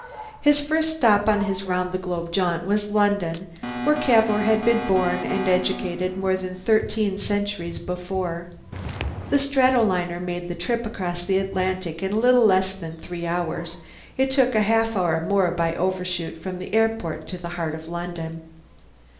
His first stop on his round the globe jaunt was London, where Cavour had been born and educated more than thirteen centuries before. The stratoliner made the trip across the Atlantic in a little less than three hours; it took half an hour more by Overshoot from the airport to the heart of London.